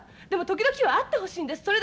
でも時々は会ってほしいんです。